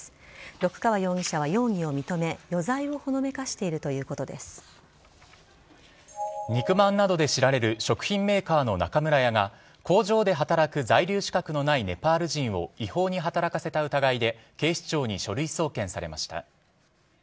六川容疑者は容疑を認め余罪をほのめかしている肉まんなどで知られる食品メーカーの中村屋が工場で働く在留資格のないネパール人を違法に働かせた疑いで警視庁に書類送検されました。